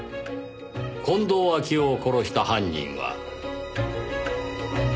近藤秋夫を殺した犯人は。